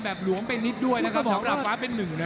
หลวมไปนิดด้วยนะครับสำหรับฟ้าเป็นหนึ่งนะ